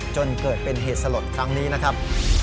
จนเกิดเป็นเหตุสลดครั้งนี้นะครับ